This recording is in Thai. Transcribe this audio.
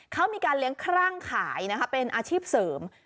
เขามีการเลี้ยงครั่งขายนะคะเป็นอาชีพเสริม